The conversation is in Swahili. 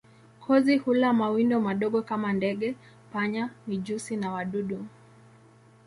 Kozi hula mawindo madogo kama ndege, panya, mijusi na wadudu.